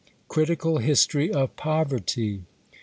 CRITICAL HISTORY OF POVERTY.